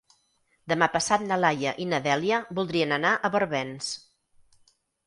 Demà passat na Laia i na Dèlia voldrien anar a Barbens.